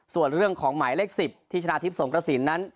ส่วนเรื่องของหมายเลข๑๐ที่ชนะทิพย์สงกระสินนั้น